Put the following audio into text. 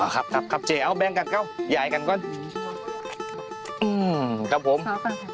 อ๋อครับครับครับเจ๊เอ้าแบงกันเข้าใหญ่กันก่อนอืมครับผม